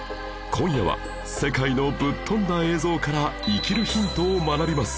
今夜は世界のぶっ飛んだ映像から生きるヒントを学びます